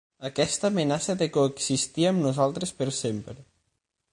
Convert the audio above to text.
Aquesta amenaça de coexistir amb nosaltres per sempre.